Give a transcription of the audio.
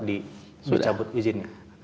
di cabut izinnya